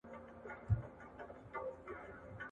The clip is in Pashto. کتابونه لوستل کړه!